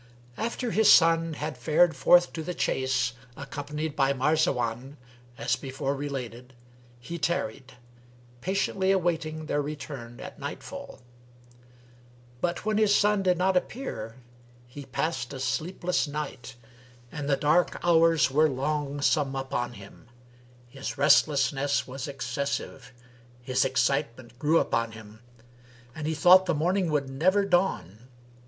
After his son had fared forth to the chase accompanied by Marzawan, as before related, he tarried patiently awaiting their return at nightfall; but when his son did not appear he passed a sleepless night and the dark hours were longsome upon him; his restlessness was excessive, his excitement grew upon him and he thought the morning would never dawn.